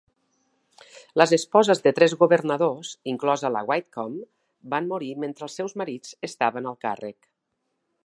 Les esposes de tres governadors, inclosa la de Whitcomb, van morir mentre els seus marits estaven al càrrec.